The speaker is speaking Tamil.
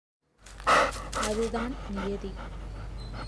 அது தான் நியதி.